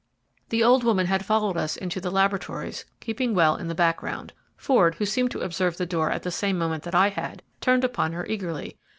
The old woman had followed us into the laboratories, keeping well in the background. Ford, who seemed to observe the door at the same moment that I had, turned upon her eagerly.